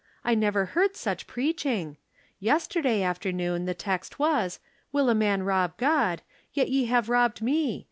I never heard such preaching. Yesterday afternoon the text was :' Will a man rob God ? Yet ye have robbed me.